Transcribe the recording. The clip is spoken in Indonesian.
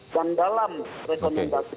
dan dalam rekomendasi